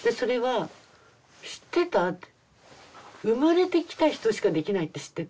「生まれてきた人しかできないって知ってた？」